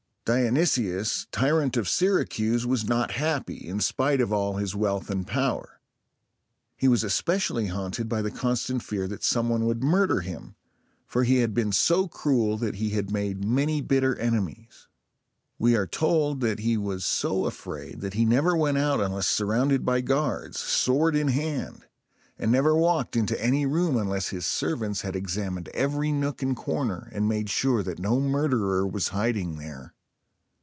Dionysius, tyrant of Syracuse, was not happy, in spite of all his wealth and power. He was especially haunted by the constant fear that some one would murder him, for he had been so cruel that he had made many bitter enemies. We are told that he was so afraid, that he never went out unless surrounded by guards, sword in hand, and never walked into any room until his servants had examined every nook and corner, and made sure that no murderer was hiding there.